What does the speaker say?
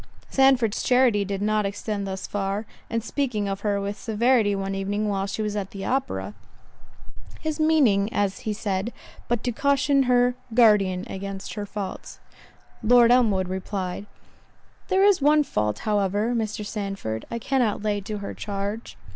Sandford's charity did not extend thus far; and speaking of her with severity one evening while she was at the opera, "His meaning," as he said, "but to caution her guardian against her faults," Lord Elmwood replied, "There is one fault, however, Mr. Sandford, I cannot lay to her charge."